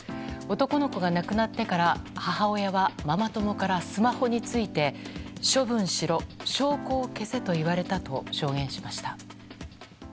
男の子が亡くなってから母親はママ友からスマホについて、処分しろ証拠を消せと言われたと証言しました。